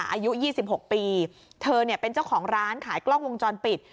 อายุ๒๖ปีเธอเนี่ยเป็นเจ้าของร้านขายกล้องวงจรปิด